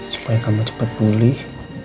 supaya kamu cepat pulih